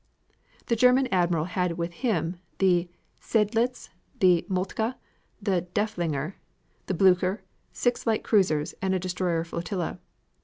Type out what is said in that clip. The German Admiral had with him the Seydlitz, the Moltke, the Derfflinger, the Blucher, six light cruisers and a destroyer flotilla.